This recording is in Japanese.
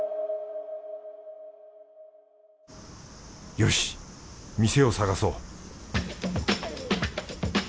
よし店を探そう